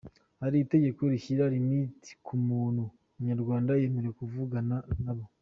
Hari itegeko rishyira limit ku bantu umunyarwanda yemerewe kuvugana nabo?